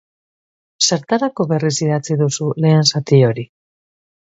Zertako berriz idatzi duzu lehen zati hori?